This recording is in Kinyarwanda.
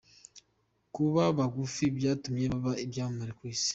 Kuba bagufi byatumye baba ibyamamare ku Isi